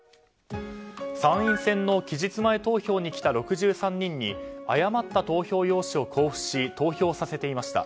参院選の期日前投票に来た６３人に誤った投票用紙を交付し投票させていました。